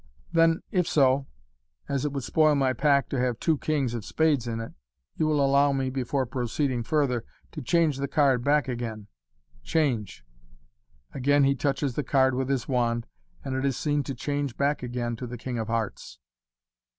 "Then if so, as it would spoil my pack to have two kings of spades in it, you will allow me, before proceeding further, to change the card back again. Change !" Again he touches the card with his wand, and it is seen to change back again to the king of hearts.